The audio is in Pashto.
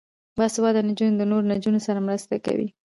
باسواده نجونې د نورو نجونو سره مرسته کوي.